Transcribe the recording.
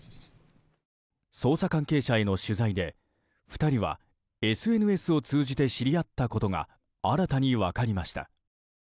捜査関係者への取材で２人はＳＮＳを通じて知り合ったことが新たに分かりました。